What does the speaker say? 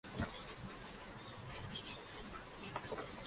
Al igual que Windows Phone Store, Microsoft Store está regulada por Microsoft.